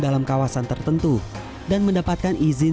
dalam kawasan tertentu dan mendapatkan izin